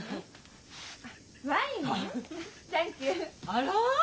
あら？